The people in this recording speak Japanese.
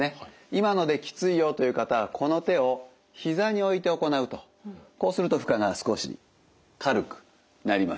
今のできついよという方はこの手をひざに置いて行うとこうすると負荷が少し軽くなります。